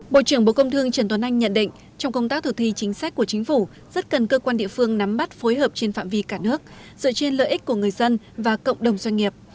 bộ trưởng bộ công thương trần tuấn anh nhận định trong công tác thực thi chính sách của chính phủ rất cần cơ quan địa phương nắm bắt phối hợp trên phạm vi cả nước dựa trên lợi ích của người dân và cộng đồng doanh nghiệp